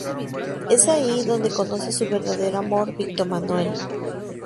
Es ahí donde conoce a su verdadero amor, Víctor Manuel.